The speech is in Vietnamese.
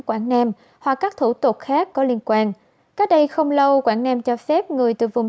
quảng nam hoặc các thủ tục khác có liên quan cách đây không lâu quảng nam cho phép người từ vùng